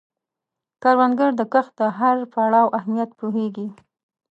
کروندګر د کښت د هر پړاو اهمیت پوهیږي